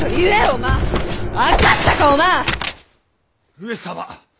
上様